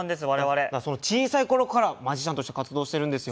その小さい頃からマジシャンとして活動してるんですよ。